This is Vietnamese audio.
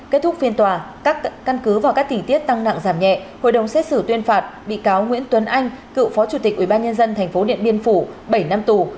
kết thúc phiên tòa các căn cứ và các tỉnh tiết tăng nặng giảm nhẹ hội đồng xét xử tuyên phạt bị cáo nguyễn tuấn anh cựu phó chủ tịch ubnd tp điện biên phủ bảy năm tù